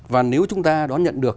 và nếu chúng ta đón nhận được